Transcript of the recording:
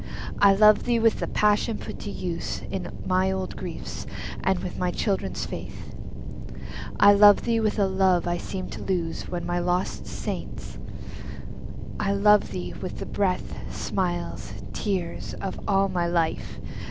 I love thee with the passion put to use In my old griefs, and with my childhood's faith. I love thee with a love I seemed to lose With my lost saints,—I love thee with the breath, Smiles, tears, of all my life!